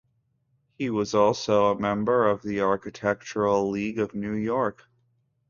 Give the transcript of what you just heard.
He was also a member of the Architectural League of New York.